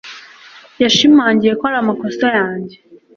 Yashimangiye ko ari amakosa yanjye